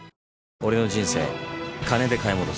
俺の人生金で買い戻す。